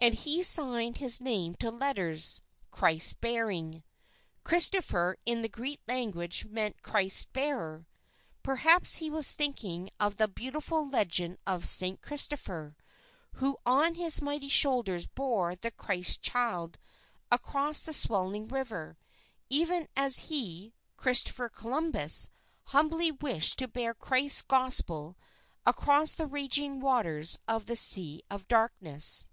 And he signed his name to letters, "Christ Bearing." Christopher in the Greek language, means Christ Bearer. Perhaps, he was thinking of the beautiful legend of St. Christopher, who on his mighty shoulders bore the Christ Child across the swelling river, even as he, Christopher Columbus, humbly wished to bear Christ's Gospel across the raging waters of the Sea of Darkness.